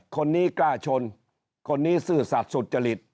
คนนี้กล้าชนคนนี้ซื่อสัตว์สุจริต